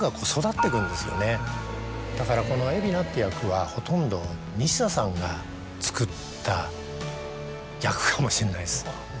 だからこの海老名って役はほとんど西田さんが作った役かもしんないです。